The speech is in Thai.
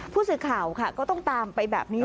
ผู้สื่อข่าวค่ะก็ต้องตามไปแบบนี้